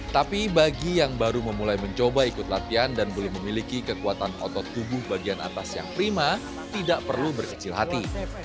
tapi bagi yang baru memulai mencoba ikut latihan dan memiliki kekuatan otot tubuh bagian atas yang prima tidak perlu berkecil hati